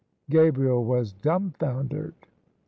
Gabriel was dumbfoundered.